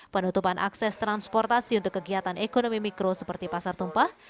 penutupan akses transportasi untuk kegiatan ekonomi mikro seperti pasar tumpah